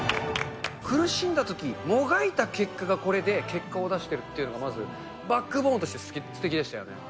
苦しんだとき、もがいた結果がこれで、結果を出してるっていうのが、まずバックボーンとしてすてきでしたね。